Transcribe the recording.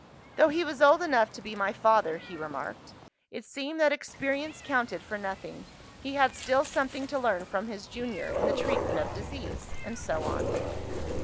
Though he was old enough to be my father (he remarked) it seemed that experience counted for nothing; he had still something to learn from his junior, in the treatment of disease and so on.